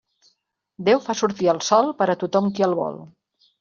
Déu fa sortir el sol per a tothom qui el vol.